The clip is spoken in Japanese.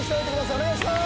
お願いします！